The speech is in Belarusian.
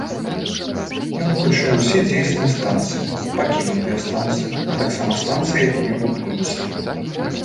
Ён ўключае ўсе дзейсныя станцыі, пакінутыя станцыі, а таксама станцыі, якія будуюцца.